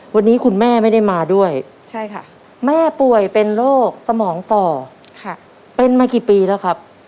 วันนี้คุณแม่ไม่ได้มาด้วยแม่ป่วยเป็นโรคสมองฝ่อเป็นมากี่ปีแล้วครับวันนี้คุณแม่ไม่ได้มาด้วยแม่ป่วยเป็นโรคสมองฝ่อเป็นมากี่ปีแล้วครับ